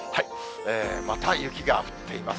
また雪が降っています。